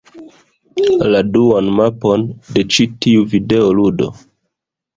La duan mapon de ĉi tiu videoludo.